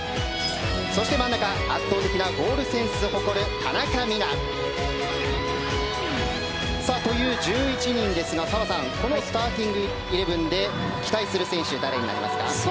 そして真ん中圧倒的なゴールセンスを誇る田中美南。という１１人ですが、澤さんこのスターティングイレブンで期待する選手、誰になりますか？